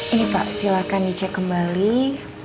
ini pak silahkan dicek kembali ya